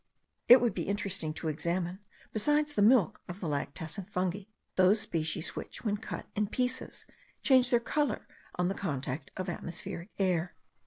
It would be interesting to examine, besides the milk of the lactescent fungi, those species which, when cut in pieces, change their colour on the contact of atmospheric air.